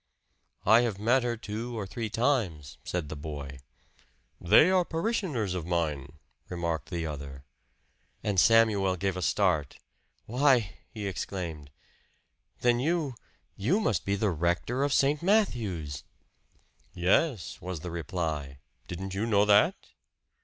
"I have met her two or three times," said the boy. "They are parishioners of mine," remarked the other. And Samuel gave a start. "Why!" he exclaimed. "Then you you must be the rector of St. Matthew's." "Yes," was the reply. "Didn't you know that?"